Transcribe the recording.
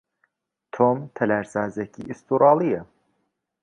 تۆم تەلارسازێکی ئوسترالییە.